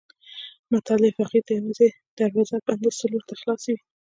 متل دی: فقیر ته یوه دروازه بنده سل ورته خلاصې وي.